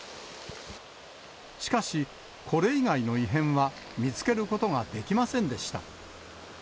しかし、これ以外の異変は見つけることができませんでした。